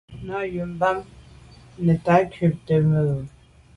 Nə̀ cǎ ú rə̀ bɑ́mə́ nə̀tâ ncûptə̂ mû’ bə̀.